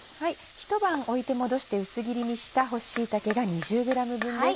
ひと晩置いてもどして薄切りにした干し椎茸が２０ｇ分です。